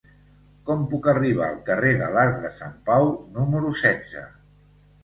Com puc arribar al carrer de l'Arc de Sant Pau número setze?